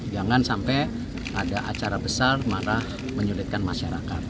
jangan sampai ada acara besar malah menyulitkan masyarakat